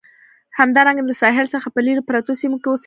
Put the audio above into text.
همدارنګه له ساحل څخه په لرې پرتو سیمو کې اوسېدل.